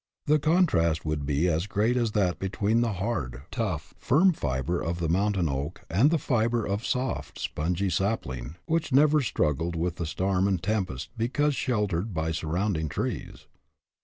The contrast would be as great as that between the hard, tough, firm fiber of the mountain oak and the fiber of the soft, spongy sapling which never struggled with the storm and tempest because sheltered by surrounding trees.